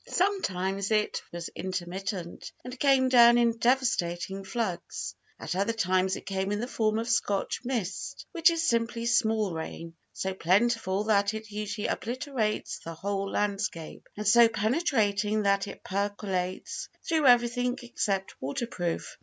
Sometimes it was intermittent, and came down in devastating floods. At other times it came in the form of Scotch mist, which is simply small rain, so plentiful that it usually obliterates the whole landscape, and so penetrating that it percolates through everything except water proof.